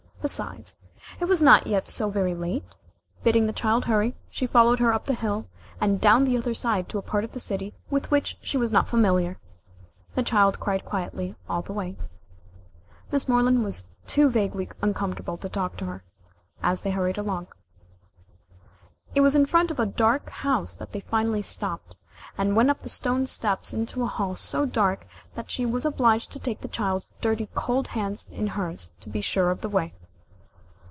Besides, it was not yet so very late. Bidding the child hurry, she followed her up the hill, and down the other side to a part of the city with which she was not familiar. The child cried quietly all the way. Miss Moreland was too vaguely uncomfortable to talk to her, as they hurried along. It was in front of a dark house that they finally stopped, and went up the stone steps into a hall so dark that she was obliged to take the child's dirty cold hands in hers to be sure of the way.